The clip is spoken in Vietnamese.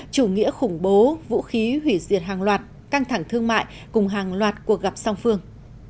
chủ nghĩa khủng bố vũ khí hủy diệt hàng loạt căng thẳng thương mại cùng hàng loạt cuộc gặp song phương